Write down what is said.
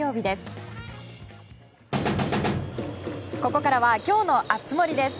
ここからは今日の熱盛です。